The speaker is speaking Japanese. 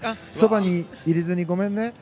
そばに入れずに、ごめんね。